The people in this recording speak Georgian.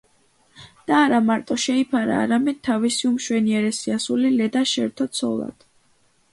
და არა მარტო შეიფარა, არამედ თავისი უმშვენიერესი ასული ლედა შერთო ცოლად.